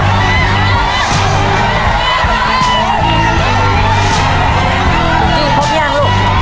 เย็นใจเย็น